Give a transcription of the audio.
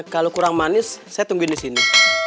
kalau kurang manis saya tungguin disini